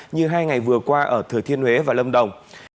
như hai ngày vừa qua ở thừa thiên huế và lâm đồng